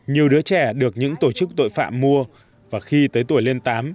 nhiều đứa trẻ được những tổ chức tội phạm mua và khi tới tuổi lên tám